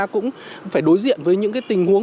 cũng phải đối diện với những cái tình huống